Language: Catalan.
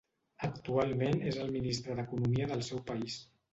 Actualment és el ministre d'Economia del seu país.